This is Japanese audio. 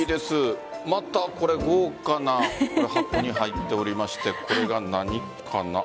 また豪華な箱に入っておりましてこれが何かな？